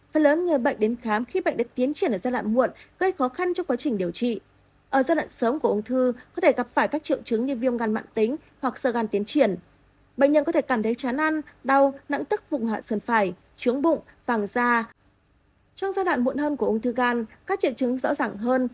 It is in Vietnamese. phần lớn người bệnh đến khám khi bệnh đã tiến triển ở giai đoạn muộn gây khó khăn trong quá trình điều trị